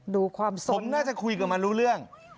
ดูความสดผมน่าจะคุยกับมันรู้เรื่อง